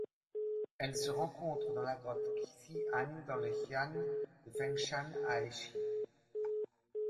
Elle se rencontre dans la grotte Xi’an dans le xian de Fengshan à Hechi.